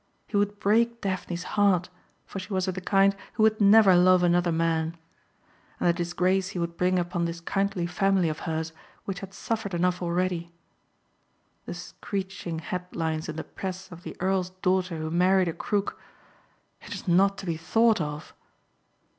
He would break Daphne's heart for she was of the kind who would never love another man. And the disgrace he would bring upon this kindly family of hers which had suffered enough already. The screeching headlines in the press of the earl's daughter who married a crook. It was not to be thought of.